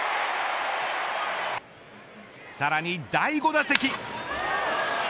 さらに第５打席。